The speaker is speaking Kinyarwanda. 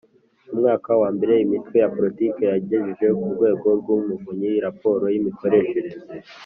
Mu mwaka wa mbere imitwe ya Politiki yagejeje ku Rwego rw Umuvunyi raporo y imikoreshereze